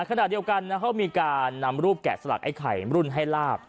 ขณะเดียวกันเขามีการนำรูปแกะสลักไอ้ไข่รุ่นให้ลาบ